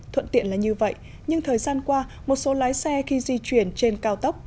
thuận tiện là như vậy nhưng thời gian qua một số lái xe khi di chuyển trên cao tốc